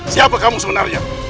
siapa kamu sebenarnya